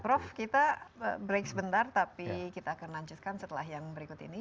prof kita break sebentar tapi kita akan lanjutkan setelah yang berikut ini